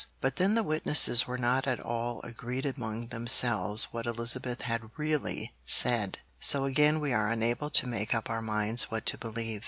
But then the witnesses were not at all agreed among themselves what Elizabeth had really said, so again we are unable to make up our minds what to believe.